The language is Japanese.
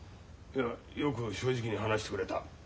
よく正直に話してくれた。